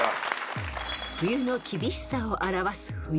［冬の厳しさを表す］